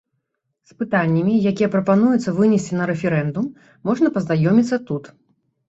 З пытаннямі, якія прапануецца вынесці на рэферэндум, можна пазнаёміцца тут.